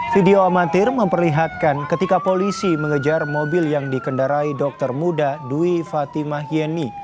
video amatir memperlihatkan ketika polisi mengejar mobil yang dikendarai dokter muda dwi fatimah yeni